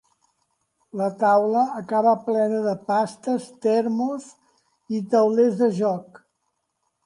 La taula acaba plena de pastes, termos i taulers de joc.